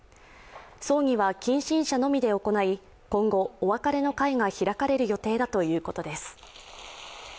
葬儀は近親者のみで行い、今後、お別れの会が開かれる予定だということです。